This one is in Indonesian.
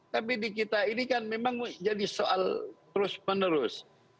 tapi di kita ini kan memang jadi soal terus menerus